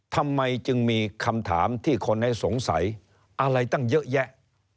ทำไมจึงมีคำถามที่คนให้สงสัยอะไรตั้งเยอะแยะ